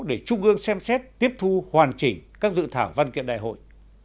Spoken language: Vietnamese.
để trung ương xem xét tiếp thu hoàn chỉnh các dự thảo văn kiện đại hội